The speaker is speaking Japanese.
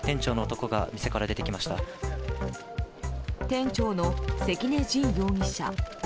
店長の関根心容疑者。